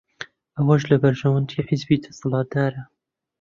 ئەوەش لە بەرژەوەندیی حیزبی دەسەڵاتدارە